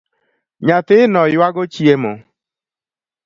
Nyathino yuago chiemo